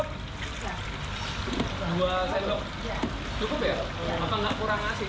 atau tidak kurang asing